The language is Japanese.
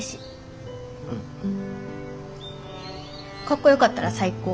かっこよかったら最高。